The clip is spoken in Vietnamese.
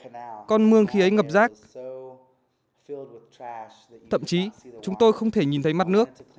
khi chúng tôi đưa nó đến đó con mương khi ấy ngập rác thậm chí chúng tôi không thể nhìn thấy mặt nước